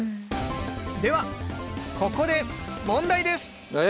ではここで問題です。え？